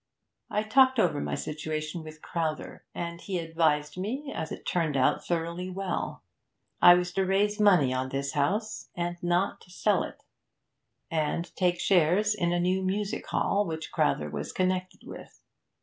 I talked over my situation with Crowther, and he advised me, as it turned out, thoroughly well. I was to raise money on this house, not to sell it, and take shares in a new music hall which Crowther was connected with.